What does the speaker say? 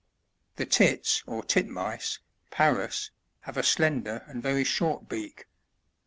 56. The Tits, or Titmice, — Parvs, — have a slender and very short beak.